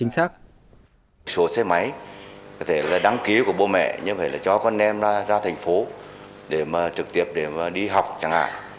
số xe máy có thể là đăng ký của bố mẹ như vậy là cho con em ra thành phố để mà trực tiếp để đi học chẳng hạn